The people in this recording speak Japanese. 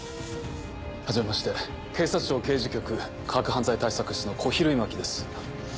はじめまして警察庁刑事局科学犯罪対策室の小比類巻です。